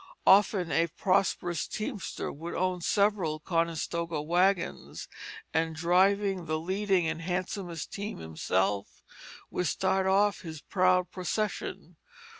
Often a prosperous teamster would own several Conestoga wagons, and driving the leading and handsomest team himself would start off his proud procession.